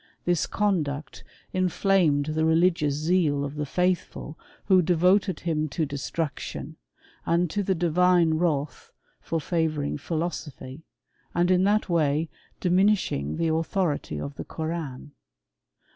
This conduct inflamed the religious zeal of the futh ful, who devoted him to destruction, and to the divme wrath, for favouring philosophy, and in that ^ay diminishing the authority of the Koran.